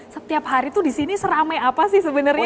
setiap hari itu di sini seramai apa sih sebenarnya